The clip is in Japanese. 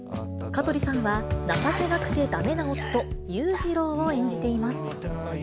香取さんは、情けなくてだめな夫、裕次郎を演じています。